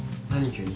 急に。